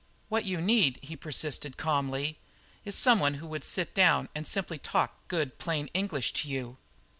"What you need," he persisted calmly, "is someone who would sit down and simply talk good, plain English to you."